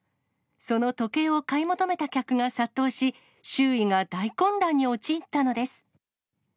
その時計を買い求めた客が殺到し、周囲が大混乱に陥ったのです。